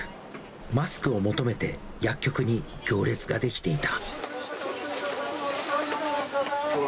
マスクを求めて薬局に行列が出来ていた。